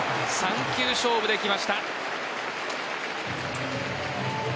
３球勝負できました。